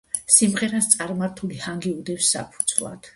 სიმღერას წარმართული ჰანგი უდევს საფუძვლად.